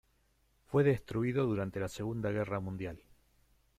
Fue destruido durante la Segunda Guerra Mundial.